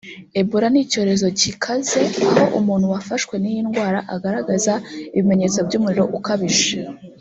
Ebola ni icyorezo kikaze aho umuntu wafashwe n’iyi ndwara agaragaza ibimenyetso by’umuriro ukabije